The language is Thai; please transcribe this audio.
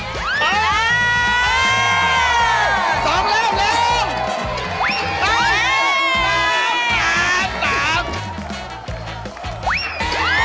พร้อมแรงไปพร้อม